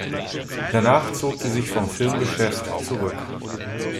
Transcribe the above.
Danach zog sie sich vom Filmgeschäft zurück.